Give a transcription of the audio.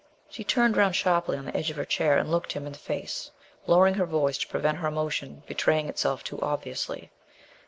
She turned round sharply on the edge of her chair and looked him in the face, lowering her voice to prevent her emotion betraying itself too obviously.